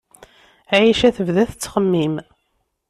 Ɛica tebda tettxemmim.